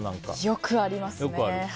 よくありますね。